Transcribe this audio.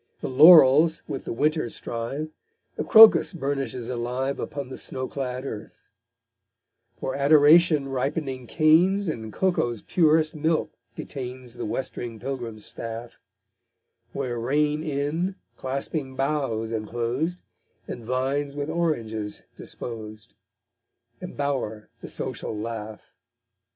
The laurels with the winter strive; The crocus burnishes alive Upon the snow clad earth; For Adoration ripening canes And cocoa's purest milk detains The westering pilgrim's staff; Where rain in, clasping boughs inclos'd, And vines with oranges dispos'd, Embower the social laugh.